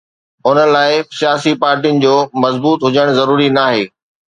ان لاءِ سياسي پارٽين جو مضبوط هجڻ ضروري ناهي.